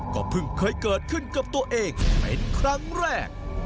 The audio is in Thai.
ก็เพิ่งเคยเกิดขึ้นกับตัวเองเป็นครั้งแรก